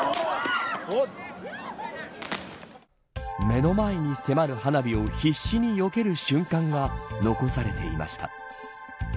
目の前に迫る花火を必死によける瞬間が残されていました。